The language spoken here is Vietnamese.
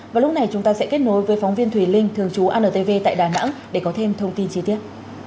và lúc này chúng ta sẽ kết nối với phóng viên thùy linh thường trú antv tại đà nẵng để có thêm thông tin chi tiết